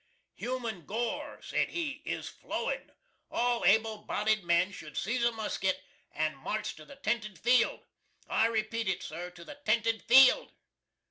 "Human gore," said he, "is flowin'. All able bodied men should seize a musket and march to the tented field. I repeat it sir, to the tented field."